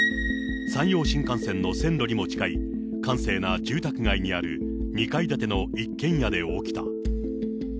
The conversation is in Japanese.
山陽新幹線の線路にも近い、閑静な住宅街にある２階建ての一軒家で起きた。